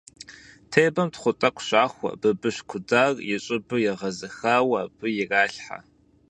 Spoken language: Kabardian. Тебэм тхъу тӀэкӀу щахуэ, бабыщ кудар, и щӀыбыр егъэзыхауэ, абы иралъхьэ.